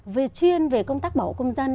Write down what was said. về chuyên về công tác bảo hộ công dân